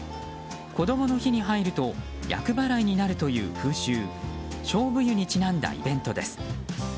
こどもの日に入ると厄払いになるという風習菖蒲湯にちなんだイベントです。